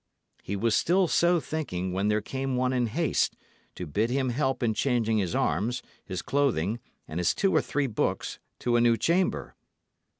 He was still so thinking, when there came one in haste, to bid him help in changing his arms, his clothing, and his two or three books, to a new chamber.